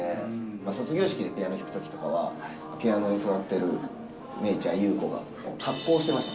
卒業式でピアノ弾くときとかは、ピアノに座ってる芽郁ちゃん、優子が発光してました。